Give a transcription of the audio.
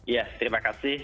ya terima kasih